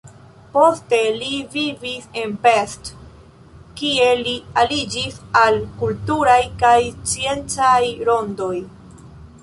Poste li vivis en Pest, kie li aliĝis al kulturaj kaj sciencaj rondoj.